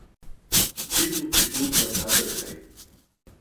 دی تو پوشور بڑاڅھاوے ریتائے